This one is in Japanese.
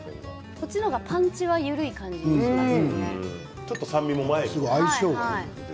こちらの方がパンチは少ない感じがします。